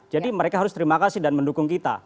jadi mereka harus terima kasih dan mendukung kita